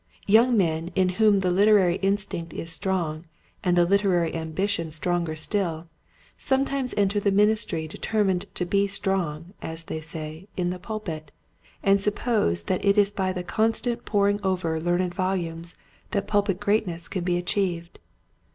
Young men in whom the literary instinct is strong and the literary ambition stronger still, some times enter the ministry determined to be strong — as they say — in the pulpit, and suppose that it is by the constant poring over learned volumes that pulpit greatness can be achieved.